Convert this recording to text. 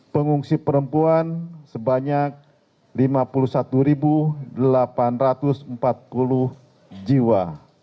pengungsi perempuan sebanyak lima puluh satu delapan ratus empat puluh jiwa